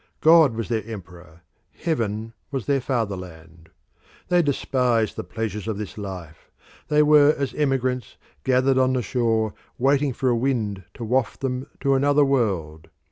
God was their emperor, heaven was their fatherland. They despised the pleasures of this life; they were as emigrants gathered on the shore waiting for a wind to waft them to another world.